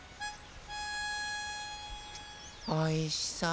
おいしそう！